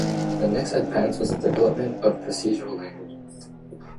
The next advance was the development of procedural languages.